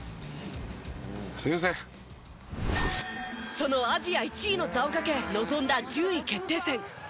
そのアジア１位の座をかけ臨んだ順位決定戦。